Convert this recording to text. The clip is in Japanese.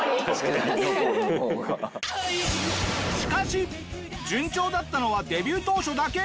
しかし順調だったのはデビュー当初だけ！